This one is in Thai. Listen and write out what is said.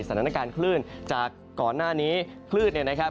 สถานการณ์คลื่นจากก่อนหน้านี้คลื่นเนี่ยนะครับ